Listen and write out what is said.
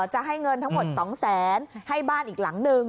จะให้เงินทั้งหมด๒๐๐๐๐๐บาทให้บ้านอีกหลังหนึ่ง